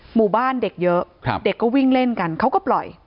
หมู่บ้านเด็กเยอะเด็กก็วิ่งเล่นกันเขาก็ปล่อย